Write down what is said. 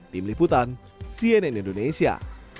tim liputan cnn indonesia